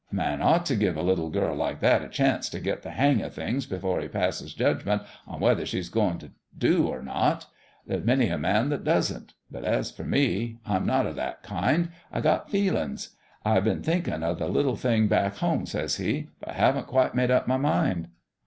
A man ought t' give a little girl like that a chance t' get the hang o' things before he passes judgment on whether she's goin' t' do or not. There's many a man that doesn't ; but as for me, I'm not o' that kind I got feelin's. I been thinkin' o' the little thing back home,' says he, 1 but I haven't quite made up my mind.'